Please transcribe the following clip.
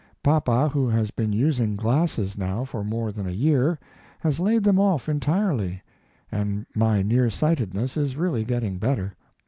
Papa, who has been using glasses now for more than a year, has laid them off entirely. And my near sightedness is really getting better.